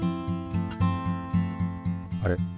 あれ？